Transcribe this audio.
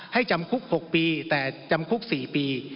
จำคุก๖ปีแต่จำคุก๔ปี